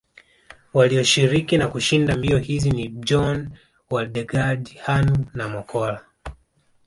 Walioshiriki na kushinda mbio hizi ni Bjorn Waldegard Hannu na Mokkola